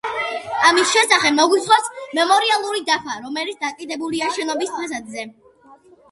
ამის შესახებ მოგვითხრობს მემორიალური დაფა, რომელიც დაკიდებულია შენობის ფასადზე.